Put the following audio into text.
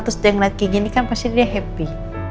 terus dia ngeliat kiki ini kan pasti dia happy